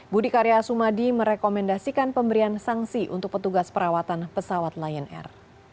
budi karya sumadi merekomendasikan pemberian sanksi untuk petugas perawatan pesawat lion air